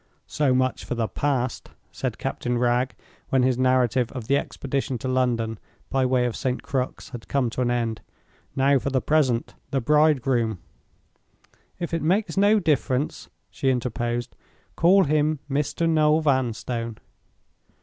"So much for the past," said Captain Wragge, when his narrative of the expedition to London by way of St. Crux had come to an end. "Now for the present. The bridegroom—" "If it makes no difference," she interposed, "call him Mr. Noel Vanstone."